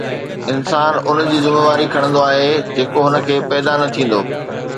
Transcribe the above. انسان ان جي ذميواري کڻندو آهي جيڪو هن کي پيدا نه ٿيندو